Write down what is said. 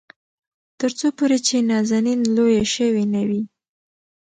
تر څو پورې چې نازنين لويه شوې نه وي.